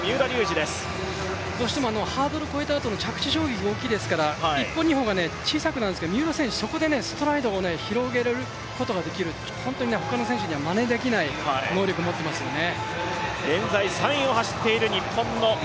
どうしてもハードル越えたあとの着地衝撃大きいですから１歩、２歩が小さくなるんですけれども三浦選手はここで広げられることができる、本当に他の選手にはまねできない能力を持っていますよね。